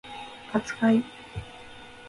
扱い